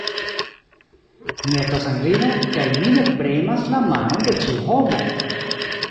Mi estas Anglino, kaj mi ne premas la manon de ĉiu homo!